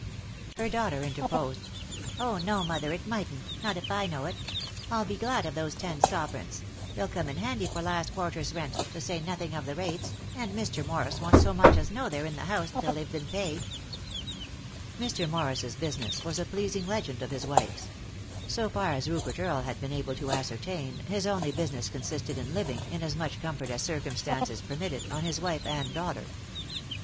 Her daughter interposed. " Oh, no, mother, it mightn't ; not if I know it. I'll be glad of those ten sovereigns ; they'll come in handy for last quarter's rent, to say nothing of the rates, and Mr. Morris won't so much as know they're in the house till they've been paid." 223 . 3i 9 iii^d by Google THE INTERRUPTED KISS Mr. Morris's "business" was a pleasing legend of his wife's. So far as Rupert Earle had been able to ascer tain his only business consisted in living, in as much comfort as circumstances permitted, on his wife and daughter.